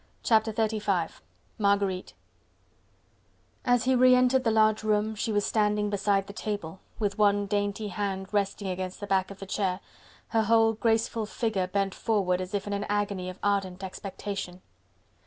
Chapter XXXV: Marguerite As he re entered the large room, she was standing beside the table, with one dainty hand resting against the back of the chair, her whole graceful figure bent forward as if in an agony of ardent expectation.